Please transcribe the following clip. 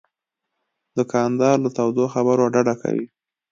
دوکاندار له تودو خبرو ډډه کوي.